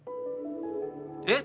えっ！